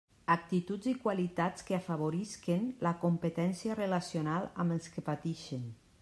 Actituds i qualitats que afavorisquen la competència relacional amb els que patixen.